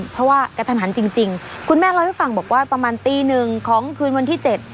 เพราะว่ากระทันหันจริงคุณแม่เล่าให้ฟังบอกว่าประมาณตีหนึ่งของคืนวันที่เจ็ด